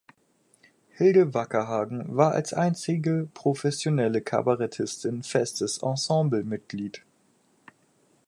Hilde Wackerhagen war als einzige professionelle Kabarettistin festes Ensemblemitglied.